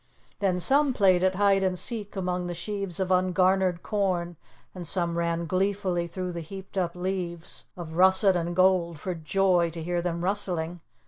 Then some played at hide and seek among the sheaves of ungarnered corn, and some ran gleefully through the heaped up leaves of russet and gold for joy to hear them rustling.